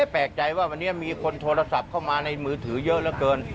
แปลกใจว่าวันนี้มีคนโทรศัพท์เข้ามาในมือถือเยอะเหลือเกิน